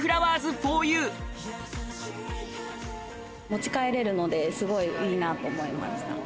持ち帰れるので、すごいいいなって思いました。